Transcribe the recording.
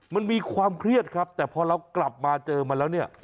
มันมีความเครียดครับแต่พอเรากลับมาเจอมันแล้วเนี่ย